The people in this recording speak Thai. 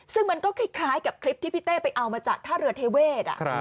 ซึ่งมันก็คล้ายกับคลิปที่พี่เต้ไปเอามาจากท่าเรือเทเวศ